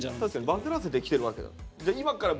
バズらせてきてるわけだ。